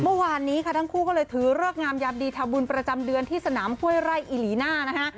เมื่อวานนี้ค่ะทั้งคู่ก็เลยถือเลิกงามยามดีทำบุญประจำเดือนที่สนามห้วยไร่อิหลีน่านะคะ